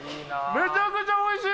めちゃくちゃおいしい。